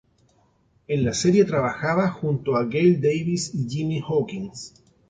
En la serie trabajaba junto a Gail Davis y Jimmy Hawkins.